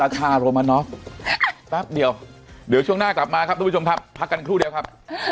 ค่ะรอมันเนาะเดียวค่ะพักกันครู่เดียวครับ